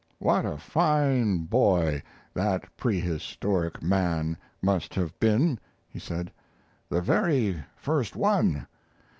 "What a fine boy that prehistoric man must have been," he said "the very first one!